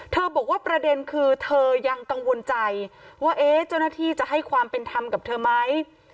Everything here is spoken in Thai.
บอกว่าประเด็นคือเธอยังกังวลใจว่าเจ้าหน้าที่จะให้ความเป็นธรรมกับเธอไหม